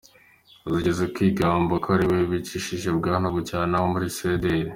Yigeze kwigamba ko aliwe wicishije Bwana Bucyana wo muri cdr.